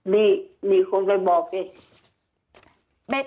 มีคนไปบอกสิ